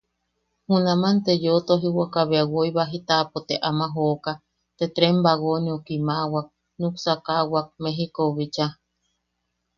Junaman te yeu tojiwaka bea woi baji taʼapo te ama joka, te tren bagoneu kimaʼawak, nuksakaʼawak Mejikou bicha.